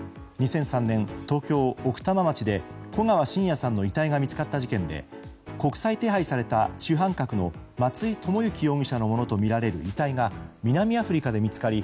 ２００３年、東京・奥多摩町で古川信也さんの遺体が見つかった事件で国際手配された主犯格の松井知行容疑者のものとみられる遺体が南アフリカで見つかり